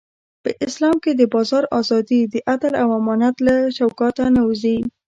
په اسلام کې د بازار ازادي د عدل او امانت له چوکاټه نه وځي.